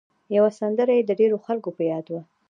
یوه سندره یې د ډېرو خلکو په یاد وه.